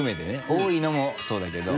多いのもそうだけど。